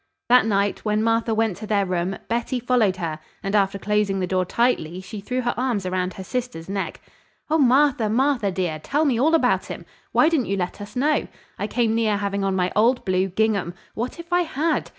That night, when Martha went to their room, Betty followed her, and after closing the door tightly she threw her arms around her sister's neck. "Oh, Martha, Martha, dear! Tell me all about him. Why didn't you let us know? I came near having on my old blue gingham. What if I had?